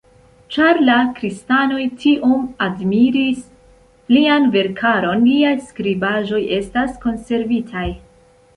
Ĉar la kristanoj tiom admiris lian verkaron, liaj skribaĵoj estas konservitaj.